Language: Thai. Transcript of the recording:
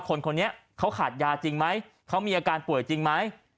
คนนี้เขาขาดยาจริงไหมเขามีอาการป่วยจริงไหม